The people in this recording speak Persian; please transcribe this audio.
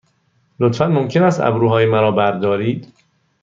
لطفاً ممکن است ابروهای مرا بردارید؟